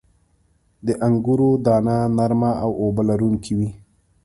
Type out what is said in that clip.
• د انګورو دانه نرمه او اوبه لرونکې وي.